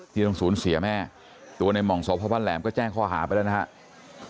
ที่ต้องสูญเสียแม่ตัวในหม่องสพบ้านแหลมก็แจ้งข้อหาไปแล้วนะครับ